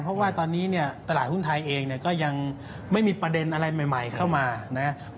เพราะว่าตอนนี้เนี่ยตลาดหุ้นไทยเองเนี่ยก็ยังไม่มีประเด็นอะไรใหม่เข้ามานะครับ